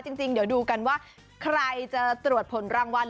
จริงเดี๋ยวดูกันว่าใครจะตรวจผลรางวัล